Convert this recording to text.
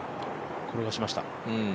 転がしました。